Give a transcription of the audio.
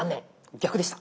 逆でした。